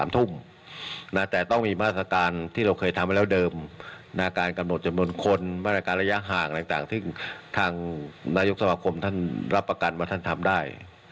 หลังจากที่ทางนายกสมะคมท่านรับประกันว่าท่านทำได้